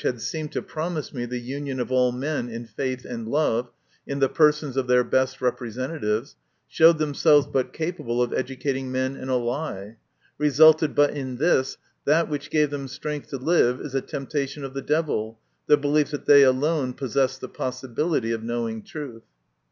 had seemed to promise me the union of all men in faith and love, in the persons of their best representatives, showed themselves but capable of educating men in a lie ; resulted but in this, that which gives them strength to live is a temptation of the devil, the belief that they alone possess the possibility of knowing truth.